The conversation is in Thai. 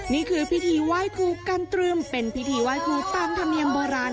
นี่คือพิธีไหว้ครูกันตรึมเป็นพิธีไหว้ครูตามธรรมเนียมโบราณ